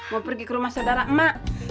mau pergi ke rumah saudara emak